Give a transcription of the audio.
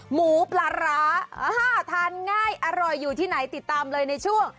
หมูปลาร้าทานง่ายอร่อยอยู่ที่ไหนติดตามเลยในช่วง